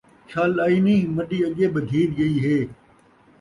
چَھل آئی نِھیں مݙی اڳّے ٻدھیج ڳئی ہے